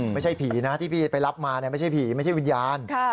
ไม่ใช่ผีนะที่พี่ไปรับมาไม่ใช่ผีไม่ใช่วิญญาณ